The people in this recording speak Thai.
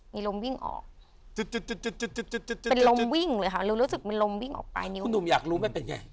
มีลมวิ่งออกเป็นลมวิ่งเลยค่ะรู้รู้สึกมันลมวิ่งออกปลายนิ้วคุณหนุ่มอยากรู้มันเป็นยังไง